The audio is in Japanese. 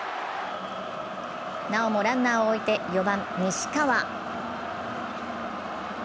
なおもランナーを置いて４番・西川。